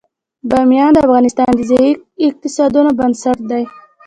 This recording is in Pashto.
بامیان د افغانستان د ځایي اقتصادونو بنسټ دی.